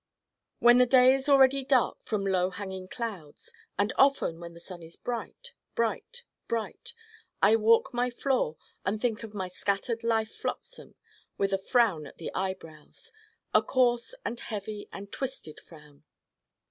When the day is already dark from low hanging clouds and often when the sun is bright, bright, bright I walk my floor and think of my scattered life flotsam with a frown at the eyebrows: a coarse and heavy and twisted frown.